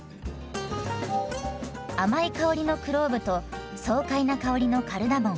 甘い香りのクローブと爽快な香りのカルダモン。